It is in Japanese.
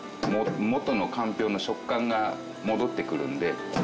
元のかんぴょうの食感が戻ってくるんで。